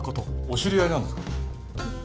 お知り合いなんですか？